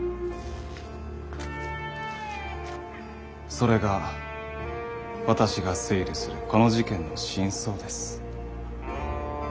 それが私が推理するこの事件の真相です。